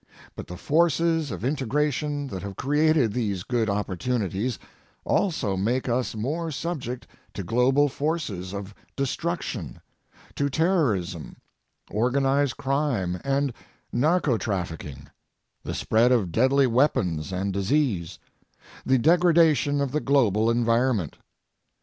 But the forces of integration that have created these good opportunities also make us more subject to global forces of destruction, to terrorism, organized crime and narcotrafficking, the spread of deadly weapons and disease, the degradation of the global environment.